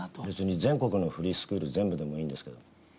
別に全国のフリースクール全部でもいいんですけど。